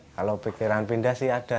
kalau pikiran pindah sih ada